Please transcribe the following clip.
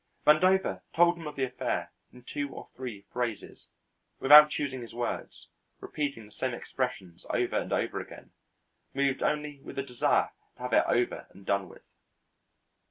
Vandover told him of the affair in two or three phrases, without choosing his words, repeating the same expressions over and over again, moved only with the desire to have it over and done with.